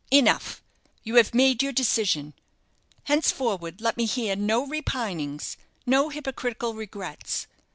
"Enough! You have made your decision. Henceforward let me hear no repinings, no hypocritical regrets.